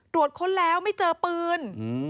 ค้นแล้วไม่เจอปืน